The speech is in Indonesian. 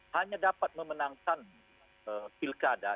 hanya dapat memenangkan wilkada